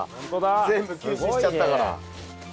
全部吸収しちゃったから。